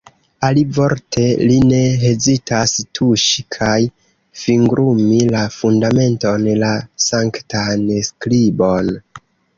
Alivorte, li ne hezitas tuŝi kaj fingrumi la fundamenton, la sanktan skribon.